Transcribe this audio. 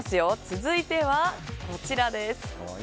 続いてはこちら。